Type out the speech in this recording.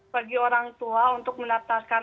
bagi orang tua untuk menatakan